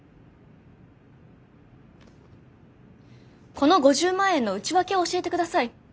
この５０万円の内訳を教えて下さい。